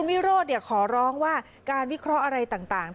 วิโรธขอร้องว่าการวิเคราะห์อะไรต่าง